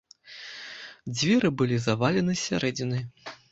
Дзверы былі завалены з сярэдзіны.